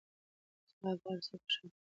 سهار به هر څه روښانه کړي.